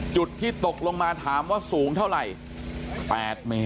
จุดที่ตกลงมาถามว่าสูงเท่าไหร่๘เมตร